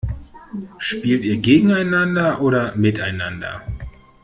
Spielt ihr gegeneinander oder miteinander?